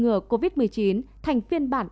ngừa covid một mươi chín thành phiên bản